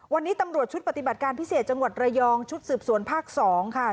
วันนี้ตำรวจชุดปฏิบัติการพิเศษจังหวัดระยองชุดสืบสวนภาค๒ค่ะ